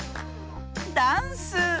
ダンス。